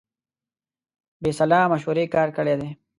بې سلا مشورې کار کړی دی.